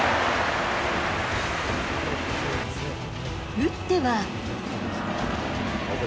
打っては。